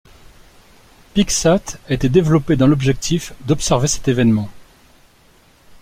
PicSat a été développé dans l'objectif d'observer cet événement.